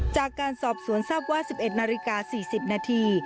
จากการสอบสวนทราบว่า๑๑นาฬิกา๔๐นาที